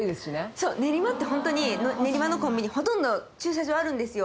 そう練馬ってホントに練馬のコンビニほとんど駐車場あるんですよ